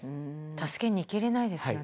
助けに行けれないですよね。